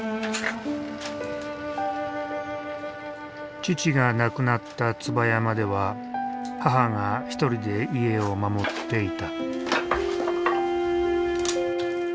父が亡くなった椿山では母が一人で家を守っていた。